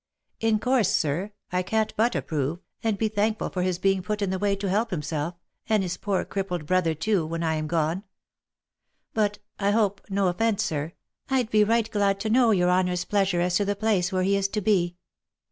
" In course, sir, I can't but approve, and be thankful for his being put in the way to help himself, and his poor crippled brother, too, when I am gone — but — I hope no offence, sir, I'd be right glad to know your honour's pleasure as to the place where he is to be."